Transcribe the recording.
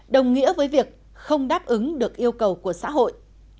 đồng nghĩa với việc không đáp ứng được yêu cầu của xã hội